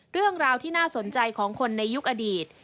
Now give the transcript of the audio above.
เรื่องราวที่น่าสนใจของคนในยุคอดีต